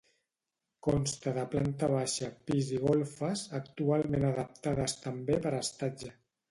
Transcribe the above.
Consta de planta baixa, pis i golfes, actualment adaptades també per a estatge.